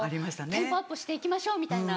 テンポアップして行きましょうみたいな。